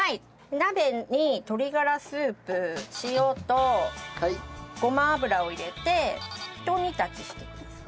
鍋に鶏がらスープ塩とごま油を入れてひと煮立ちしてください。